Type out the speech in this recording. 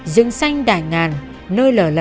rừng xanh đại ngàn nơi lở lần